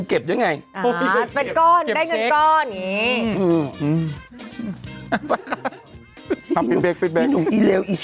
เป็นเยอะขนาดนี้